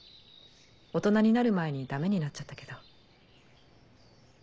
大人になる前にダメになっちゃったけど。